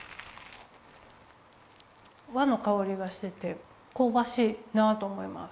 和のかおりがしててこうばしいなと思います。